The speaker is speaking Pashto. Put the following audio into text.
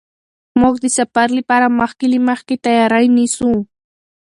موږ د سفر لپاره مخکې له مخکې تیاری نیسو.